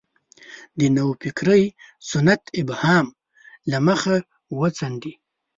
د نوفکرۍ سنت ابهام له مخه وڅنډي.